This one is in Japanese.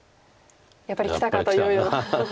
「やっぱりきたか」というような。